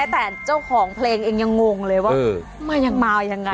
แต่เจ้าของเพลงเองยังงงเลยว่ามายังมายังไง